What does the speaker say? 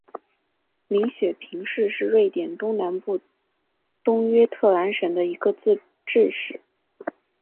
林雪平市是瑞典东南部东约特兰省的一个自治市。